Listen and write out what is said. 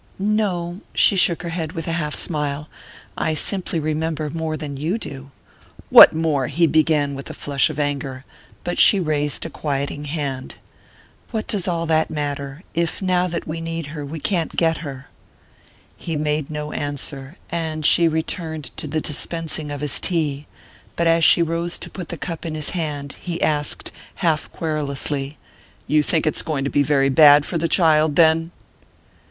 "No." She shook her head with a half smile. "I simply remember more than you do." "What more?" he began with a flush of anger; but she raised a quieting hand. "What does all that matter if, now that we need her, we can't get her?" He made no answer, and she returned to the dispensing of his tea; but as she rose to put the cup in his hand he asked, half querulously: "You think it's going to be very bad for the child, then?"